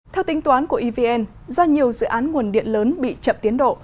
theo tính toán của evn do nhiều dự án nguồn điện lớn bị chậm tiến độ